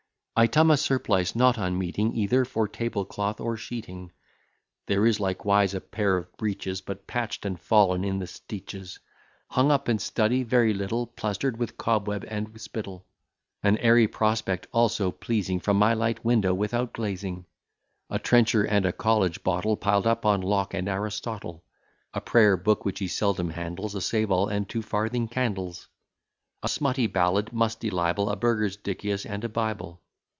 Item, a surplice, not unmeeting, Either for table cloth, or sheeting; There is likewise a pair of breeches, But patch'd, and fallen in the stitches, Hung up in study very little, Plaster'd with cobweb and spittle, An airy prospect all so pleasing, From my light window without glazing, A trencher and a College bottle, Piled up on Locke and Aristotle. A prayer book, which he seldom handles A save all and two farthing candles. A smutty ballad, musty libel, A Burgersdicius and a Bible.